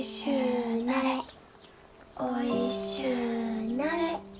おいしゅうなれ。